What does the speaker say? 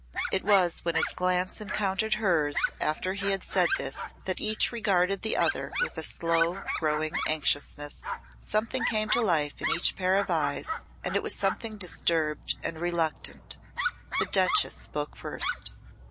It was when his glance encountered hers after he said this that each regarded the other with a slow growing anxiousness. Something came to life in each pair of eyes and it was something disturbed and reluctant. The Duchess spoke first.